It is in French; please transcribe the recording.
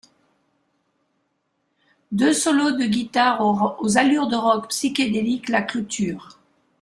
Deux solos de guitare, aux allures de rock psychédélique, la clôturent.